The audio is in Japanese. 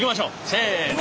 せの。